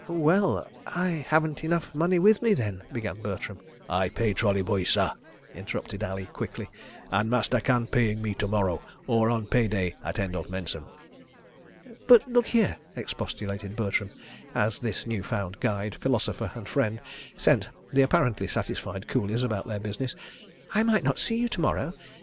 "Well—I haven't enough money with me, then—" began Bertram. "I pay trolley boys, sah," interrupted Ali quickly, "and Master can paying me to morrow—or on pay day at end of mensem." "But, look here," expostulated Bertram, as this new found guide, philosopher and friend sent the apparently satisfied coolies about their business. "I might not see you to morrow.